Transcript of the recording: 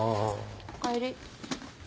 おかえり。